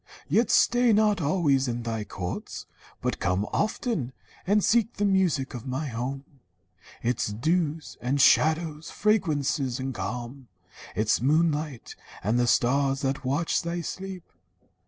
Yet stay not always in thy courts, but come Often, and seek the music of my home, Its dews and shadows, fragrances and calm, Its moonlight, and the stars that watch thy sleep.'